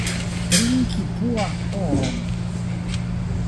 Trinki puran oron!